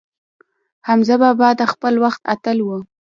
حمزه بابا د خپل وخت اتل و.